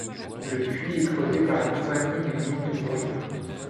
Le puits est creusé par la Compagnie des mines de Courrières.